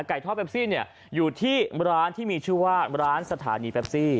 ทอดแปปซี่เนี่ยอยู่ที่ร้านที่มีชื่อว่าร้านสถานีแปปซี่